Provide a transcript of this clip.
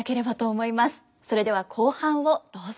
それでは後半をどうぞ。